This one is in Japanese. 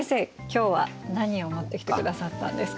今日は何を持ってきてくださったんですか？